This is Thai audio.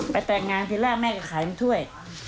ไปแตกงานที่แรกแม่ก็ขาย๑ถ้วย